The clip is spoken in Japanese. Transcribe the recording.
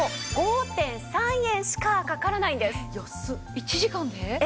１時間で？